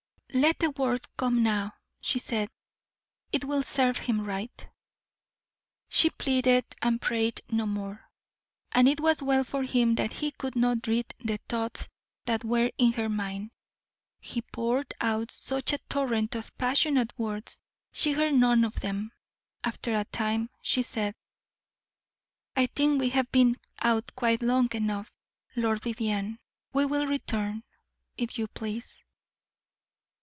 "Let the worst come now," she said; "it will serve him right." She pleaded and prayed no more; and it was well for him that he could not read the thoughts that were in her mind. He poured out such a torrent of passionate words she heard none of them. After a time she said: "I think we have been out quite long enough, Lord Vivianne: we will return, if you please."